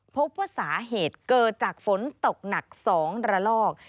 พบว่าสาเหตุเกิดจากฝนตกหนัก๒ระลอก